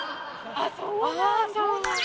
ああそうなんだ！